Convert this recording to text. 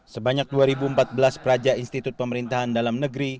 sebanyak dua empat belas peraja institut pemerintahan dalam negeri